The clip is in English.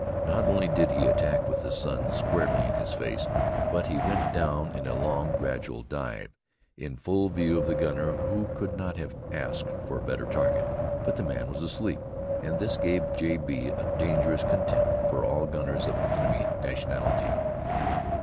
Not only did he attack with the sun squarely in his face, but he went down in a long, gradual dive, in full view of the gunner, who could not have asked for a better target. But the man was asleep, and this gave J. B. a dangerous contempt for all gunners of enemy nationality.